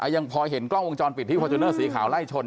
ยังพอเห็นกล้องวงจรปิดที่ฟอร์จูเนอร์สีขาวไล่ชน